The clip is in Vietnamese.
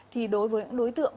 thì đối với những đối tượng